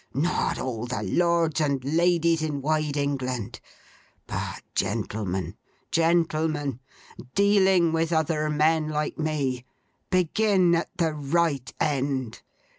Not all the Lords and Ladies in wide England. But, gentlemen, gentlemen, dealing with other men like me, begin at the right end.